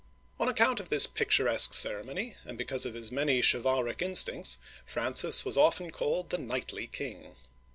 On account of this picturesque ceremony, and because of his many chivalric instincts, Francis was often called "the knightly king.